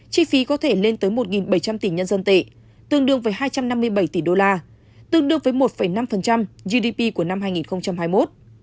chi phí có thể lên tới một bảy trăm linh tỷ nhân dân tệ tương đương với hai trăm năm mươi bảy tỷ đô la tương đương với một năm gdp của năm hai nghìn hai mươi một